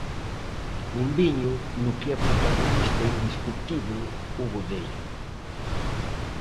Un viño no que é protagonista indiscutíbel o godello.